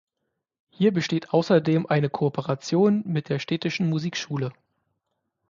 Hier besteht außerdem eine Kooperation mit der städtischen Musikschule.